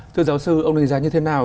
thưa giáo sư ông đề ra như thế nào